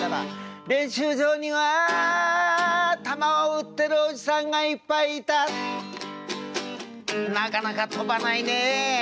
練習場には球を打ってるおじさんがいっぱいいた「なかなか飛ばないねえ。